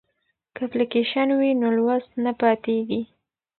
که اپلیکیشن وي نو لوست نه پاتیږي.